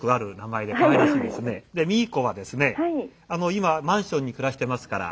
今マンションに暮らしてますから。